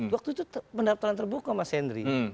waktu itu pendaftaran terbuka mas henry